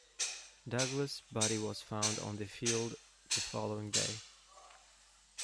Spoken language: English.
Douglas' body was found on the field the following day.